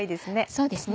そうですね。